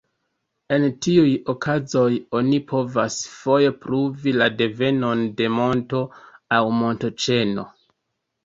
En tiuj okazoj oni povas foje pruvi la devenon de monto aŭ montoĉeno.